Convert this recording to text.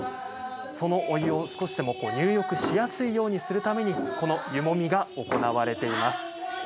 そのお湯を少しでも入浴しやすいようにするためにこの湯もみが行われています。